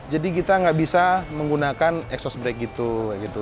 jadi kita nggak bisa menggunakan exhaust brake gitu